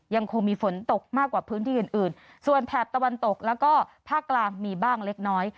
ยังคงมีฝนตกมากกว่าพื้นที่อื่นอื่นส่วนแถบตะวันตกแล้วก็ภาคกลางมีบ้างเล็กน้อย